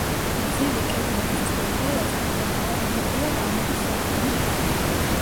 გრძივი კედლების წყვილ პილასტრზე გადაყვანილია კამარის საბჯენი თაღი.